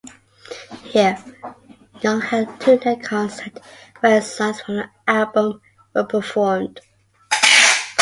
Here, Young held a two-night concert where songs from the album were performed.